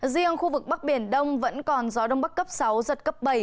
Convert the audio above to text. riêng khu vực bắc biển đông vẫn còn gió đông bắc cấp sáu giật cấp bảy